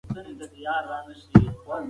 لوی تولیدي سازمانونه جوړ سول.